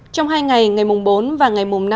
trong hai ngày ngày mùng bốn và ngày mùng năm